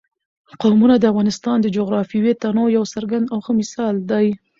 قومونه د افغانستان د جغرافیوي تنوع یو څرګند او ښه مثال دی.